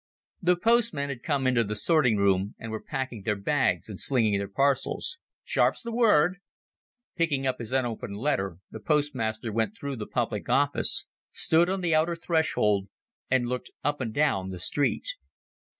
The postmen had come into the sorting room, and were packing their bags and slinging their parcels. "Sharp's the word." Picking up his unopened letter, the postmaster went through the public office, stood on the outer threshold, and looked up and down the street.